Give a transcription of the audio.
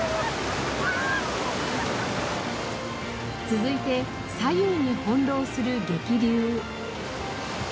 続いて左右に翻弄する激流。